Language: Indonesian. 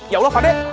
ya allah pak deh